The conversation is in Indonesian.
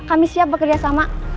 kami siap bekerja sama